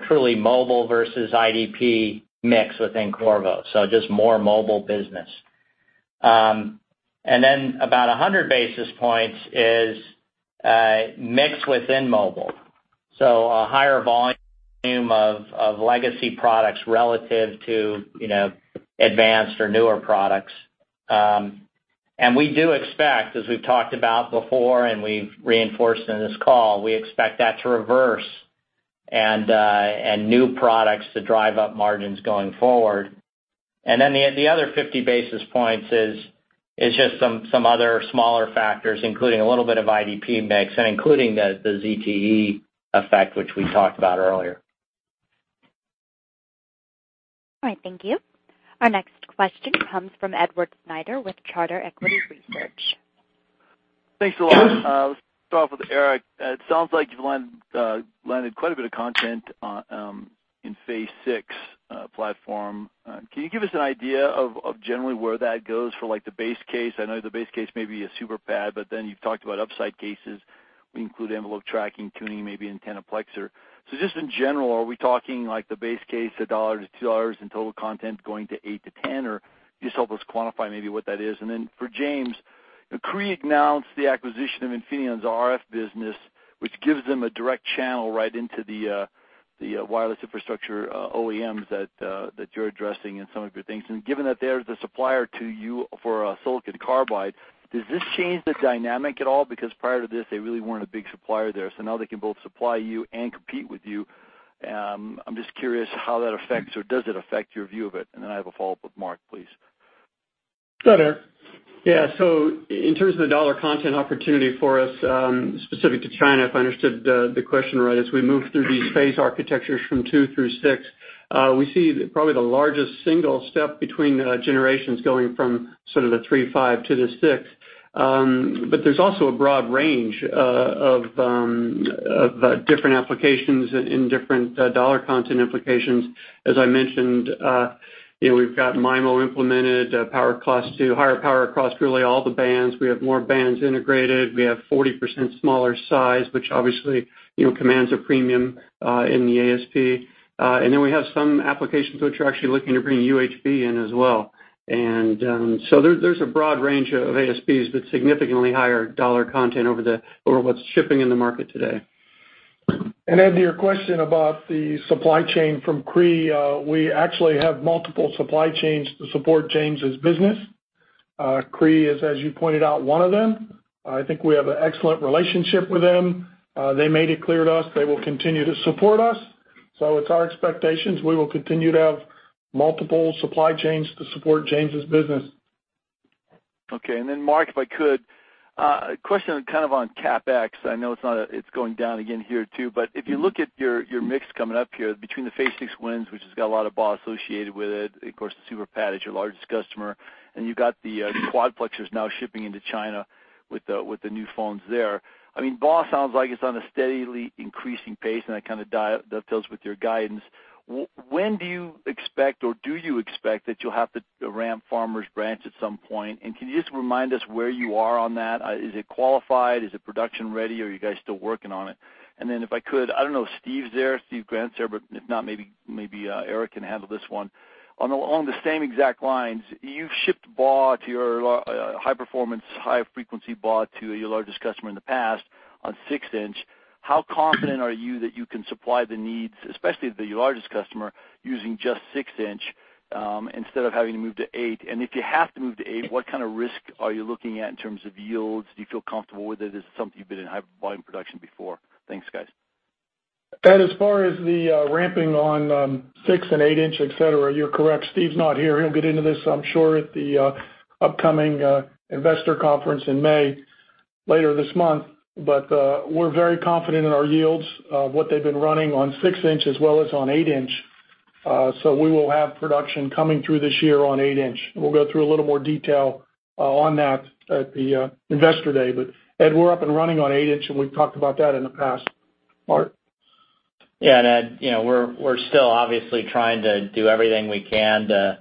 truly Mobile versus IDP mix within Qorvo, just more Mobile business. About 100 basis points is mix within Mobile. A higher volume of legacy products relative to advanced or newer products. We do expect, as we've talked about before, and we've reinforced in this call, we expect that to reverse, and new products to drive up margins going forward. The other 50 basis points is just some other smaller factors, including a little bit of IDP mix and including the ZTE effect, which we talked about earlier. All right. Thank you. Our next question comes from Edward Snyder with Charter Equity Research. Thanks a lot. Let's start off with Eric. It sounds like you've landed quite a bit of content in phase six platform. Can you give us an idea of generally where that goes for the base case? I know the base case may be a super PAD, then you've talked about upside cases. We include envelope tracking, tuning, maybe antennaplexers. Just in general, are we talking like the base case, $1-$2 in total content going to 8-10, or just help us quantify maybe what that is? Then for James, Cree announced the acquisition of Infineon's RF business, which gives them a direct channel right into the wireless infrastructure OEMs that you're addressing in some of your things. Given that they're the supplier to you for silicon carbide, does this change the dynamic at all? Because prior to this, they really weren't a big supplier there. Now they can both supply you and compete with you. I'm just curious how that affects or does it affect your view of it? Then I have a follow-up with Mark, please. Sure, there. So in terms of the dollar content opportunity for us, specific to China, if I understood the question right, as we move through these phase architectures from two through six, we see probably the largest single step between generations going from sort of the three, five to the six. There's also a broad range of different applications in different dollar content implications. As I mentioned, we've got MIMO implemented, power cost to higher power across really all the bands. We have more bands integrated. We have 40% smaller size, which obviously commands a premium in the ASP. Then we have some applications which are actually looking to bring UHB in as well. There's a broad range of ASPs, but significantly higher dollar content over what's shipping in the market today. Ed, to your question about the supply chain from Cree, we actually have multiple supply chains to support James's business. Cree is, as you pointed out, one of them. I think we have an excellent relationship with them. They made it clear to us they will continue to support us. It's our expectations we will continue to have multiple supply chains to support James's business. Okay. Mark, if I could, question kind of on CapEx. I know it's going down again here too, but if you look at your mix coming up here between the phase six wins, which has got a lot of BAW associated with it, of course, the super PAD is your largest customer, and you've got the quadplexers now shipping into China with the new phones there. BAW sounds like it's on a steadily increasing pace, and that kind of dovetails with your guidance. When do you expect, or do you expect that you'll have to ramp Farmers Branch at some point? Can you just remind us where you are on that? Is it qualified? Is it production ready, or are you guys still working on it? If I could, I don't know if Steve Grant's there, but if not, maybe Eric can handle this one. Along the same exact lines, you've shipped BAW to your high performance, high frequency BAW to your largest customer in the past on six-inch. How confident are you that you can supply the needs, especially to your largest customer, using just six-inch instead of having to move to eight? If you have to move to eight, what kind of risk are you looking at in terms of yields? Do you feel comfortable with it as something you've been in high volume production before? Thanks, guys. As far as the ramping on six and eight-inch, et cetera, you're correct. Steve's not here. He'll get into this, I'm sure, at the upcoming investor conference in May, later this month. We're very confident in our yields, what they've been running on six-inch as well as on eight-inch. We will have production coming through this year on eight inch. We'll go through a little more detail on that at the Investor Day. Ed, we're up and running on eight inch, and we've talked about that in the past. Mark? Yeah, Ed. We're still obviously trying to do everything we can to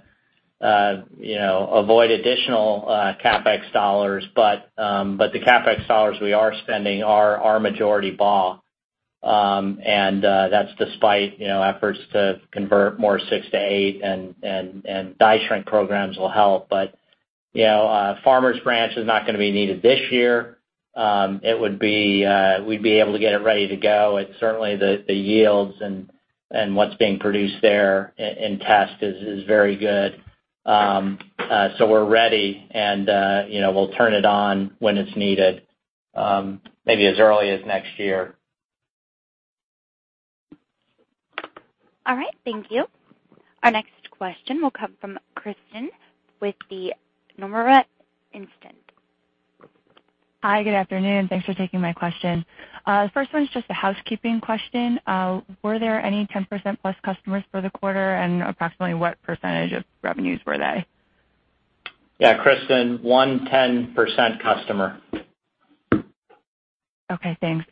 avoid additional CapEx dollars. The CapEx dollars we are spending are majority BAW, and that's despite efforts to convert more six to eight, die shrink programs will help. Farmers Branch is not going to be needed this year. We'd be able to get it ready to go. Certainly, the yields and what's being produced there in test is very good. We're ready, and we'll turn it on when it's needed, maybe as early as next year. All right. Thank you. Our next question will come from Krysten with the Nomura Instinet. Hi. Good afternoon. Thanks for taking my question. First one's just a housekeeping question. Were there any 10% plus customers for the quarter, and approximately what percentage of revenues were they? Yeah, Krysten, one 10% customer. Okay, thanks.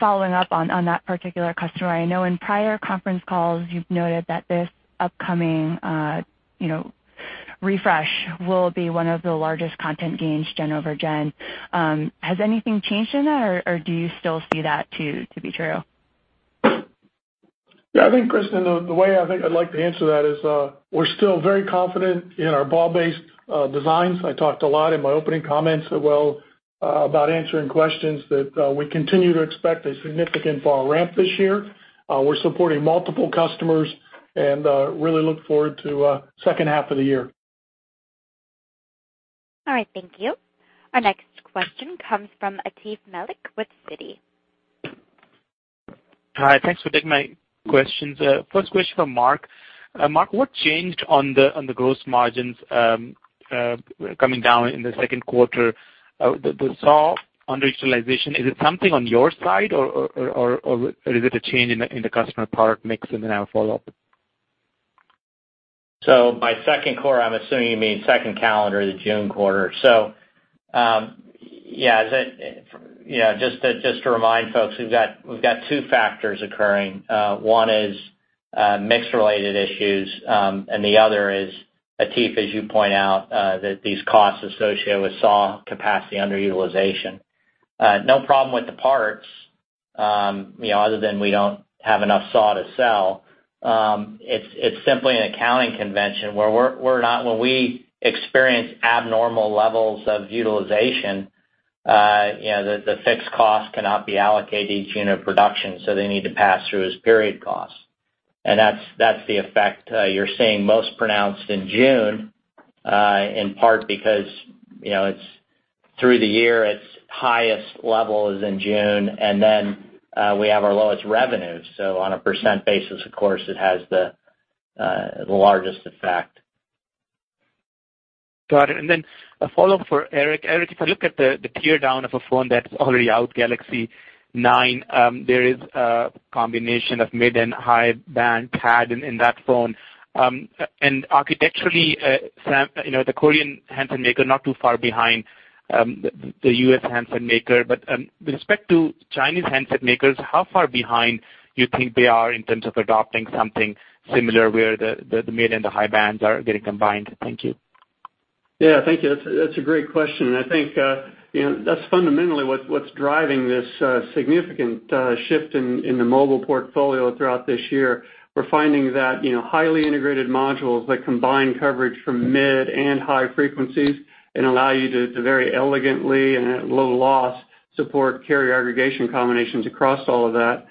Following up on that particular customer, I know in prior conference calls you've noted that this upcoming refresh will be one of the largest content gains gen over gen. Has anything changed in that, or do you still see that to be true? I think, Krysten, the way I think I'd like to answer that is we're still very confident in our BAW-based designs. I talked a lot in my opening comments as well about answering questions that we continue to expect a significant BAW ramp this year. We're supporting multiple customers and really look forward to second half of the year. All right. Thank you. Our next question comes from Atif Malik with Citi. Hi. Thanks for taking my questions. First question for Mark. Mark, what changed on the gross margins coming down in the second quarter? The SAW underutilization, is it something on your side or is it a change in the customer product mix? Then I'll follow up. By second quarter, I'm assuming you mean second calendar, the June quarter. Yeah. Just to remind folks, we've got two factors occurring. One is mix-related issues, and the other is, Atif, as you point out, that these costs associated with SAW capacity underutilization. No problem with the parts other than we don't have enough SAW to sell. It's simply an accounting convention where when we experience abnormal levels of utilization, the fixed cost cannot be allocated to each unit of production, so they need to pass through as period costs. That's the effect you're seeing most pronounced in June, in part because through the year, its highest level is in June, and then we have our lowest revenue. On a percent basis, of course, it has the largest effect. Got it. Then a follow-up for Eric. Eric, if I look at the teardown of a phone that's already out, Galaxy S9, there is a combination of mid and high band PAD in that phone. Architecturally, the Korean handset maker not too far behind the U.S. handset maker. With respect to Chinese handset makers, how far behind you think they are in terms of adopting something similar where the mid and the high bands are getting combined? Thank you. Yeah. Thank you. That's a great question, I think that's fundamentally what's driving this significant shift in the mobile portfolio throughout this year. We're finding that highly integrated modules that combine coverage from mid and high frequencies and allow you to very elegantly and at low loss support carrier aggregation combinations across all of that,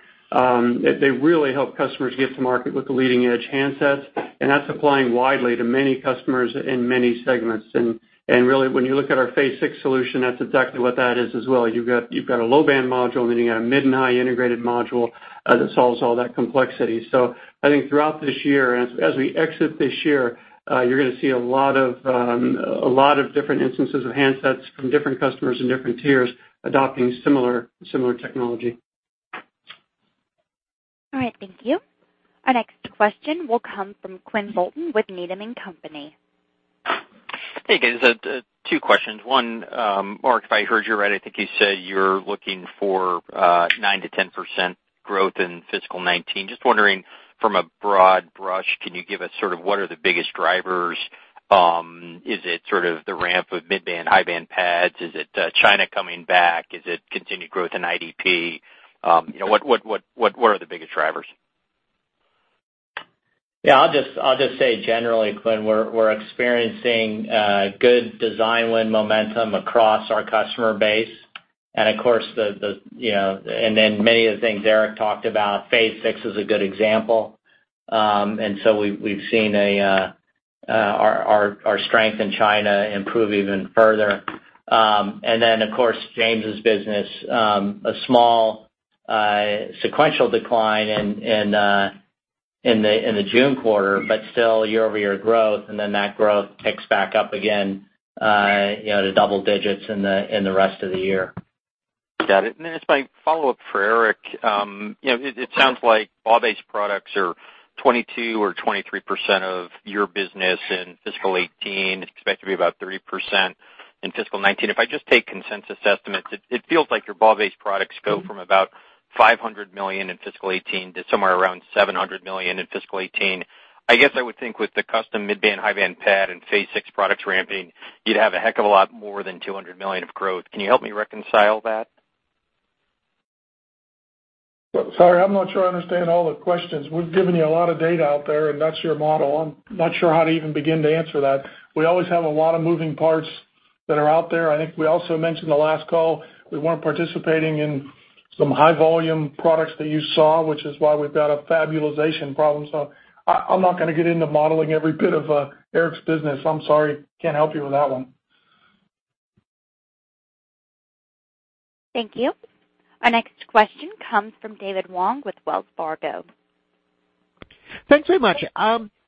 they really help customers get to market with the leading-edge handsets, that's applying widely to many customers in many segments. Really, when you look at our phase six solution, that's exactly what that is as well. You've got a low-band module meeting a mid and high integrated module that solves all that complexity. I think throughout this year, as we exit this year, you're going to see a lot of different instances of handsets from different customers and different tiers adopting similar technology. All right. Thank you. Our next question will come from Quinn Bolton with Needham & Company. Hey, guys. Two questions. One, Mark, if I heard you right, I think you said you're looking for 9%-10% growth in fiscal 2019. Just wondering from a broad brush, can you give us sort of what are the biggest drivers? Is it sort of the ramp of mid-band, high-band PADs? Is it China coming back? Is it continued growth in IDP? What are the biggest drivers? I'll just say generally, Quinn, we're experiencing good design win momentum across our customer base. Many of the things Eric talked about, phase six is a good example. We've seen our strength in China improve even further. Of course, James' business, a small sequential decline in the June quarter, but still year-over-year growth, that growth picks back up again to double digits in the rest of the year. Got it. It's my follow-up for Eric. It sounds like BAW-based products are 22% or 23% of your business in fiscal 2018, expected to be about 30% in fiscal 2019. If I just take consensus estimates, it feels like your BAW-based products go from about $500 million in fiscal 2018 to somewhere around $700 million in fiscal 2018. I guess I would think with the custom mid-band, high-band PAD and phase six products ramping, you'd have a heck of a lot more than $200 million of growth. Can you help me reconcile that? Sorry, I'm not sure I understand all the questions. We've given you a lot of data out there, that's your model. I'm not sure how to even begin to answer that. We always have a lot of moving parts that are out there. I think I also mentioned the last call, we weren't participating in some high-volume products that you saw, which is why we've got a fab utilization problem. I'm not going to get into modeling every bit of Eric's business. I'm sorry, can't help you with that one. Thank you. Our next question comes from David Wong with Wells Fargo. Thanks very much.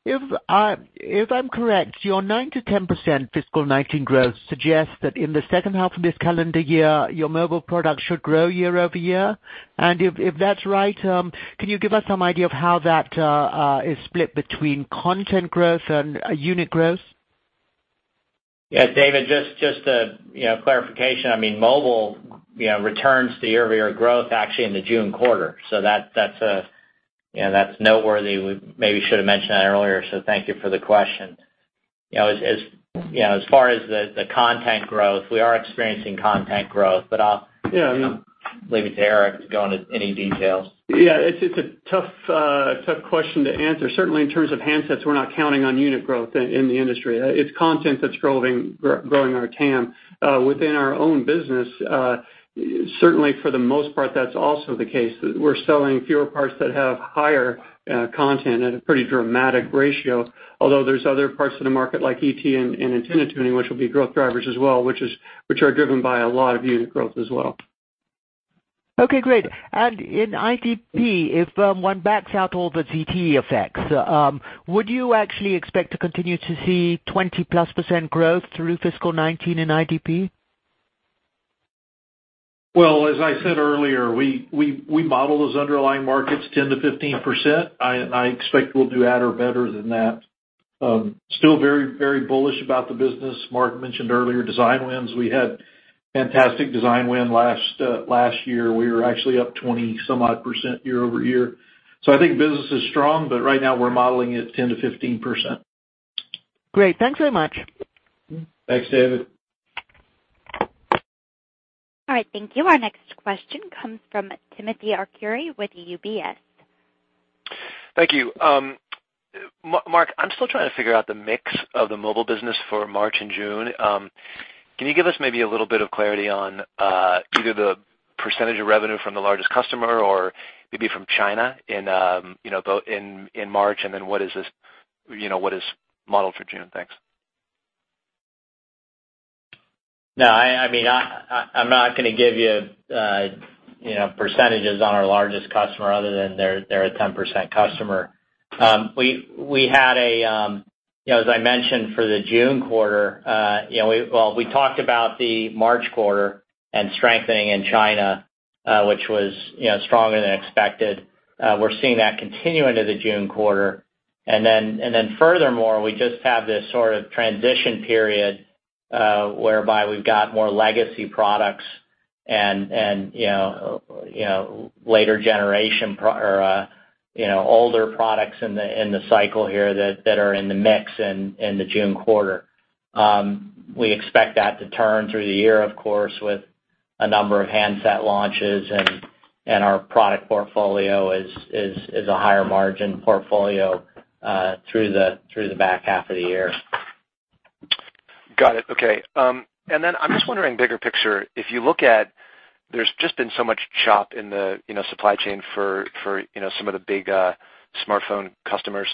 If I'm correct, your 9%-10% fiscal 2019 growth suggests that in the second half of this calendar year, your Mobile Products should grow year-over-year. If that's right, can you give us some idea of how that is split between content growth and unit growth? Yeah, David, just a clarification. Mobile returns to year-over-year growth actually in the June quarter. That's noteworthy. We maybe should have mentioned that earlier, so thank you for the question. As far as the content growth, we are experiencing content growth. Yeah I'll leave it to Eric to go into any details. Yeah, it's a tough question to answer. Certainly in terms of handsets, we're not counting on unit growth in the industry. It's content that's growing our TAM. Within our own business, certainly for the most part, that's also the case. We're selling fewer parts that have higher content at a pretty dramatic ratio, although there's other parts of the market like ET and antenna tuning, which will be growth drivers as well, which are driven by a lot of unit growth as well. Okay, great. In IDP, if one backs out all the ZTE effects, would you actually expect to continue to see 20-plus % growth through fiscal 2019 in IDP? Well, as I said earlier, we model those underlying markets 10%-15%. I expect we'll do that or better than that. Still very bullish about the business. Mark mentioned earlier design wins. We had fantastic design win last year. We were actually up 20 some odd % year-over-year. I think business is strong, but right now we're modeling it 10%-15%. Great. Thanks very much. Thanks, David. All right. Thank you. Our next question comes from Timothy Arcuri with UBS. Thank you. Mark, I'm still trying to figure out the mix of the Mobile Products business for March and June. Can you give us maybe a little bit of clarity on either the percentage of revenue from the largest customer or maybe from China in March, and then what is modeled for June? Thanks. No, I'm not going to give you percentages on our largest customer other than they're a 10% customer. As I mentioned for the June quarter, we talked about the March quarter and strengthening in China, which was stronger than expected. We're seeing that continue into the June quarter. Furthermore, we just have this sort of transition period, whereby we've got more legacy products and older products in the cycle here that are in the mix in the June quarter. We expect that to turn through the year, of course, with a number of handset launches, and our product portfolio is a higher margin portfolio through the back half of the year. Got it. Okay. I'm just wondering, bigger picture, if you look at, there's just been so much chop in the supply chain for some of the big smartphone customers.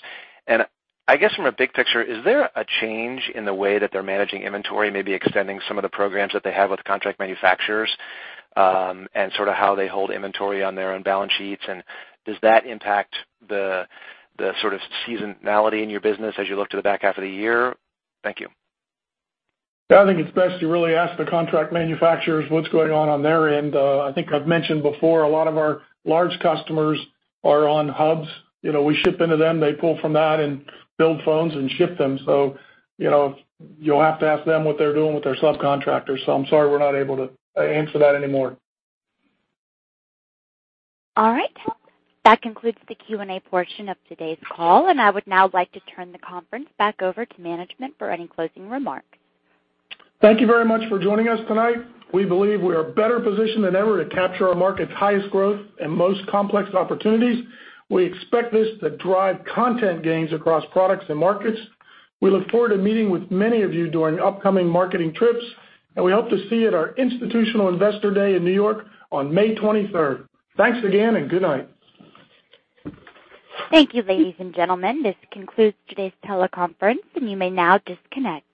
I guess from a big picture, is there a change in the way that they're managing inventory, maybe extending some of the programs that they have with contract manufacturers, and sort of how they hold inventory on their own balance sheets, and does that impact the sort of seasonality in your business as you look to the back half of the year? Thank you. I think it's best to really ask the contract manufacturers what's going on on their end. I think I've mentioned before, a lot of our large customers are on hubs. We ship into them, they pull from that and build phones and ship them. You'll have to ask them what they're doing with their subcontractors. I'm sorry, we're not able to answer that anymore. That concludes the Q&A portion of today's call. I would now like to turn the conference back over to management for any closing remarks. Thank you very much for joining us tonight. We believe we are better positioned than ever to capture our market's highest growth and most complex opportunities. We expect this to drive content gains across products and markets. We look forward to meeting with many of you during upcoming marketing trips. We hope to see you at our Institutional Investor Day in New York on May 23rd. Thanks again, and good night. Thank you, ladies and gentlemen. This concludes today's teleconference. You may now disconnect.